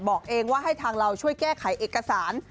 บอกเองว่าให้ทางเราช่วยแก้ไขเอกสาร